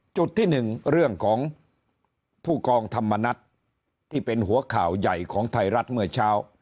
จุดที่หนึ่งเรื่องของผู้กองธรรมนัฏที่เป็นหัวข่าวใหญ่ของไทยรัฐเมื่อเช้า